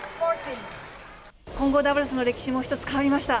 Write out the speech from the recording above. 混合ダブルスの歴史もひとつ変わりました。